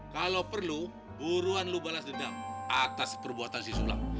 kalau perlu buruan lu balas dendam atas perbuatan si sulam